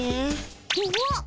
うわっ！？